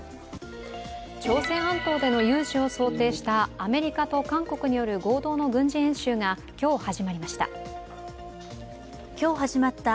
朝鮮半島での有事を想定したアメリカと韓国による合同の軍事演習が今日、始まりました。